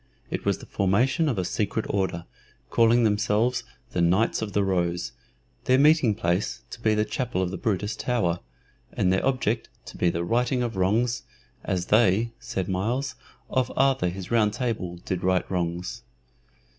It was the formation of a secret order, calling themselves the "Knights of the Rose," their meeting place to be the chapel of the Brutus Tower, and their object to be the righting of wrongs, "as they," said Myles, "of Arthur his Round table did right wrongs."